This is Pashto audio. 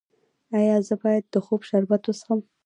ایا زه باید د خوب شربت وڅښم؟